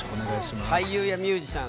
俳優やミュージシャン